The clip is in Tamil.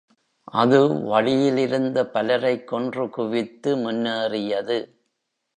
அது வழியிலிருந்த பலரைக் கொன்று குவித்து முன்னேறியது.